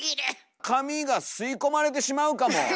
髪が吸い込まれてしまうかも。